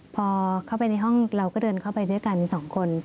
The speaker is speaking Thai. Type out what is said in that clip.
พอเข้าไปในห้องเราก็เดินเข้าไปด้วยกันสองคน